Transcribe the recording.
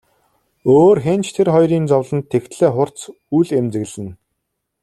Өөр хэн ч тэр хоёрын зовлонд тэгтлээ хурц үл эмзэглэнэ.